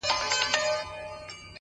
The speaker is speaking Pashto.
• سیاه پوسي ده، جنگ دی جدل دی،